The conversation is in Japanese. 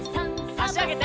あしあげて。